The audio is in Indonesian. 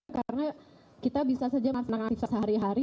karena kita bisa saja menghasilkan sehari hari